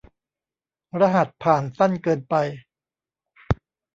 รหัสผ่านสั้นเกินไป